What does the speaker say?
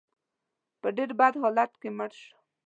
په ډېر بد حالت کې مړ شو.